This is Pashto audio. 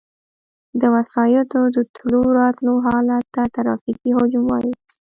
د وسایطو د تلو راتلو حالت ته ترافیکي حجم وایي